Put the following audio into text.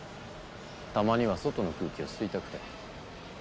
たまには外の空気を吸いたくて。